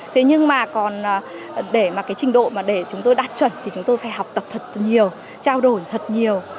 thế nhưng mà còn để mà cái trình độ mà để chúng tôi đạt chuẩn thì chúng tôi phải học tập thật nhiều trao đổi thật nhiều